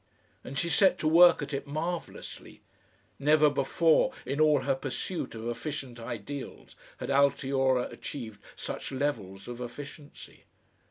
And she set to work at it marvellously. Never before, in all her pursuit of efficient ideals, had Altiora achieved such levels of efficiency.